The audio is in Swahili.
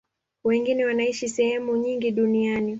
Wengine wanaishi sehemu nyingi duniani.